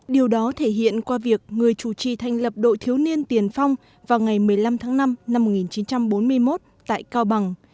điều đó thể hiện qua việc người chủ trì thành lập đội thiếu niên tiền phong vào ngày một mươi năm tháng năm năm một nghìn chín trăm bốn mươi một tại cao bằng